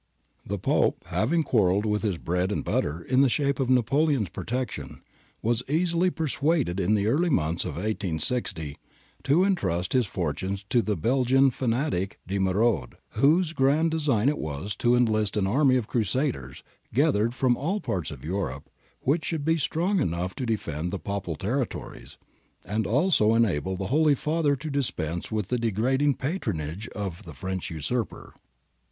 The Pope, having quarrelled with his bread and butter in the shape of Napoleon's protection, was easily persuaded in the early months of i860 to entrust his fortunes to the Belgian fanatic De Merode, whose grand design it was to enlist an army of crusaders gathered from all parts of Europe which should be strong enough to defend the Papal territories, and so enable the Holy Father to dispense with the degrading patronage of the French usurper.